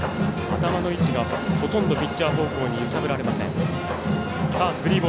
頭の位置がほとんどピッチャー方向に揺さぶられません。